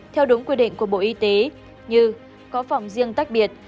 theo đúng quy định của bộ y tế như có phòng riêng tách biệt